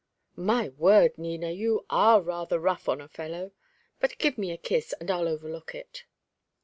"My word, Nina, you are rather rough on a fellow; but give me a kiss, and I'll overlook it."